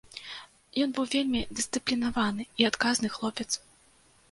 Ён быў вельмі дысцыплінаваны і адказны хлопец.